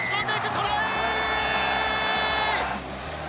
トライ！